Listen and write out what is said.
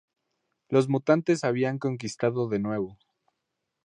Los mutantes había conquistado de nuevo...